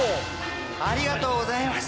ありがとうございます。